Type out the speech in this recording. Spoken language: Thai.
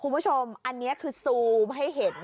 คุณผู้ชมอันนี้คือซูมให้เห็น